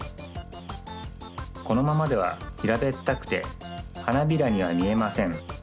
このままではひらべったくてはなびらにはみえません。